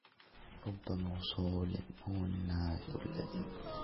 رب موصول هو الناي الذي